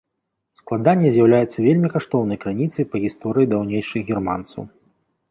Складанне з'яўляецца вельмі каштоўнай крыніцай па гісторыі даўнейшых германцаў.